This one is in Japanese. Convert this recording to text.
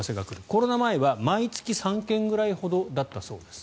コロナ前は毎月３件くらいほどだったそうです。